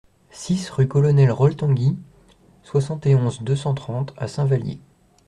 six rue Colonel Rol Tanguy, soixante et onze, deux cent trente à Saint-Vallier